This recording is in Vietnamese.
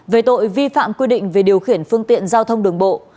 về tội vi phạm quy định về điều khiển phương tiện giao thông đường bộ